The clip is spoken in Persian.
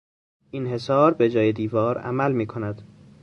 این حصار به جای دیوار عمل میکند.